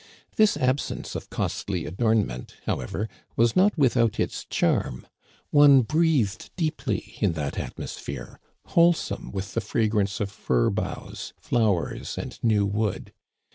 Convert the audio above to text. This absence of costly adornment, however, was not without its charm. One breathed deeply in that atmosphere, wholesome with the fragrance of fir boughs, flowers, and new wood.